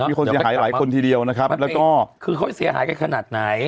มีคนเสียหายหลายคนทีเดียวนะครับแล้วก็คือเขาเสียหายกันขนาดไหน